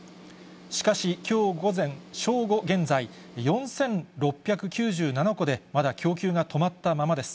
しかし、きょう正午現在、４６９７戸でまだ供給が止まったままです。